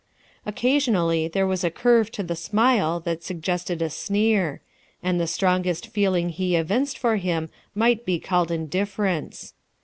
Occasionally there was a curve to the smile that suggested a sneer; and the strongest feeling he evinced for him might be called indifference.